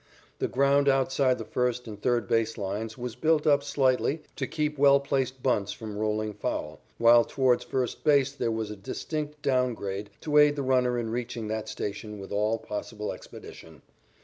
The ground outside the first and third base lines was built up slightly to keep well placed bunts from rolling foul, while toward first base there was a distinct down grade to aid the runner in reaching that station with all possible expedition.